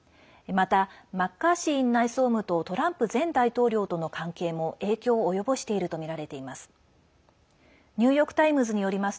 また、マッカーシー院内総務とトランプ前大統領との関係も影響を及ぼしているとみられています。